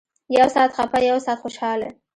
يو سات خپه يو سات خوشاله.